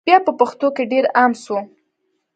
بیا په پښتنو کي ډېر عام سو